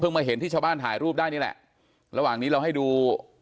มาเห็นที่ชาวบ้านถ่ายรูปได้นี่แหละระหว่างนี้เราให้ดู